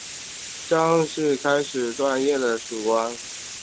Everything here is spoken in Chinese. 张骘开始是段业的属官。